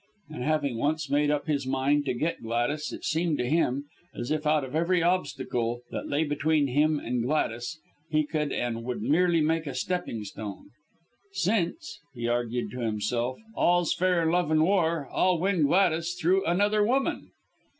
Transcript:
And having once made up his mind to get Gladys, it seemed to him, as if out of every obstacle, that lay between him and Gladys, he could and would merely make a stepping stone. "Since," he argued to himself, "all's fair in love and war, I'll win Gladys through another woman."